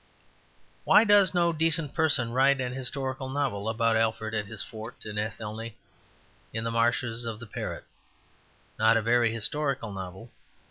Why does no decent person write an historical novel about Alfred and his fort in Athelney, in the marshes of the Parrett? Not a very historical novel.